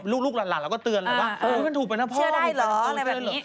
ลูกหลั่นเราก็เตือนแหละว่ามันถูกไปนะพ่อเชื่อได้เหรออะไรแบบนี้